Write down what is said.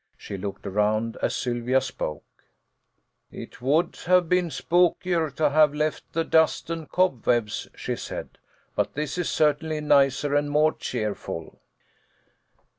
She looked around as Sylvia spoke. 148 THE LITTLE COLONEL S HOLIDAYS. " It would have been spookier to have left the dust and cobwebs," she said, "but this is certainly nicer and more cheerful."